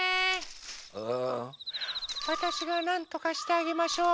わたしがなんとかしてあげましょう。